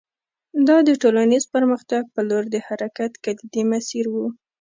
دا د ټولنیز پرمختګ په لور د حرکت کلیدي مسیر و